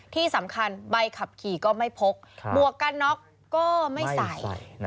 ที่สำคัญใบขับขี่ก็ไม่พกหมวกกันน็อกก็ไม่ใส่